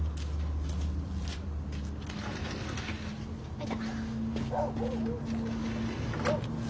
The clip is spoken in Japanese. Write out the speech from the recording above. ・あいたっ。